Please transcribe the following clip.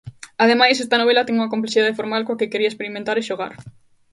Ademais, esta novela ten unha complexidade formal coa que quería experimentar e xogar.